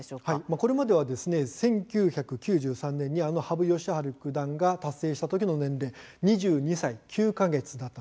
これまでの１９９３年に羽生善治九段が達成したときの年齢、２２歳９か月でした。